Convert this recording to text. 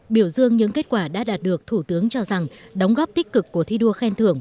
biểu dương những kết quả đã đạt được thủ tướng cho rằng đóng góp tích cực của thi đua khen thưởng